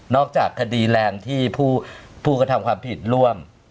จากคดีแรงที่ผู้กระทำความผิดร่วม